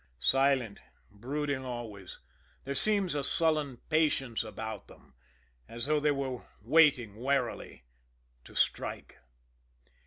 Silent, brooding always, there seems a sullen patience about them, as though they were waiting warily to strike.